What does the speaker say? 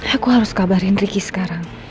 aku harus kabarin ricky sekarang